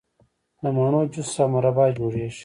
د مڼو جوس او مربا جوړیږي.